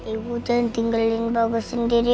ibu jangan tinggalin ibu sendiri